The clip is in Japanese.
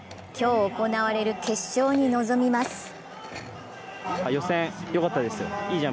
今日行われる決勝に臨みます。